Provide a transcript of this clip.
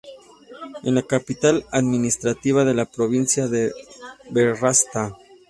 Es la capital administrativa de la provincia de Vratsa.